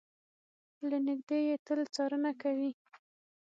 له نږدې يې تل څارنه کوي.